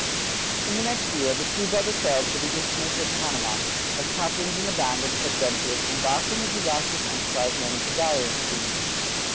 In the next year the two brothers sailed for the Isthmus of Panama as captains in the band of adventurers embarked in the disastrous enterprise known as the Darien Scheme.